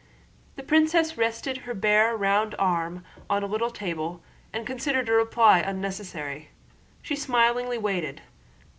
The princess rested her bare round arm on a little table and considered a reply unnecessary. She smilingly waited.